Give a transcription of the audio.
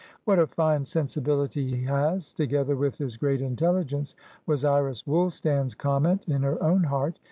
"What a fine sensibility he has, together with his great intelligence!" was Iris Woolstan's comment in her own heart.